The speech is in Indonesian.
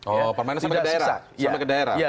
oh permanen sampai ke daerah